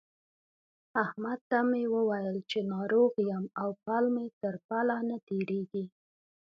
احمد ته مې وويل چې ناروغ يم او پل مې تر پله نه تېرېږي.